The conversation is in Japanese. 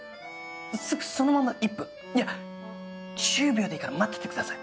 すぐそのまま１分いや１０秒でいいから待っててください。